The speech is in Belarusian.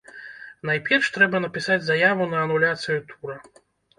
Найперш, трэба напісаць заяву на ануляцыю тура.